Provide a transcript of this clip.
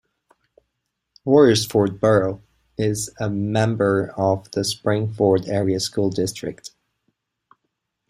Royersford Borough is a member of the Spring-Ford Area School District.